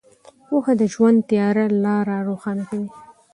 پوهه د ژوند تیاره لارې روښانه کوي.